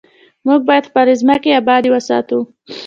موږ باید خپلې ځمکې ابادې وساتو.